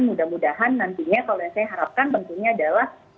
mudah mudahan nantinya kalau yang saya harapkan tentunya adalah